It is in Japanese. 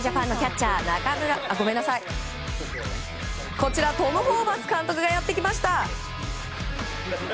こちら、トム・ホーバス監督がやってきました！